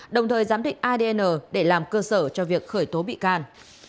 đồng thời giám định adn để làm cơ sở cho việc khởi tố bị can